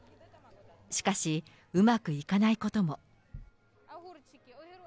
しかし、うまくいかないことも。